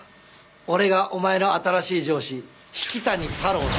俺がお前の新しい上司引谷太郎だ。